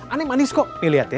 aneh manis kok nih liat ya